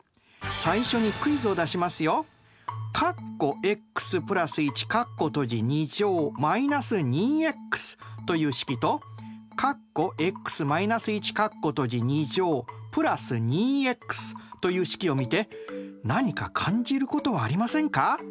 最初にクイズを出しますよ。という式とという式を見て何か感じることはありませんか？